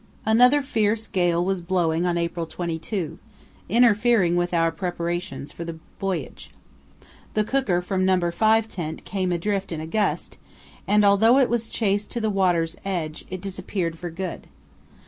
Another fierce gale was blowing on April 22, interfering with our preparations for the voyage. The cooker from No. 5 tent came adrift in a gust, and, although it was chased to the water's edge, it disappeared for good.